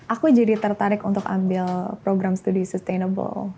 aku jadi tertarik untuk ambil program studi sustainable